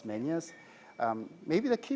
mungkin titik utama adalah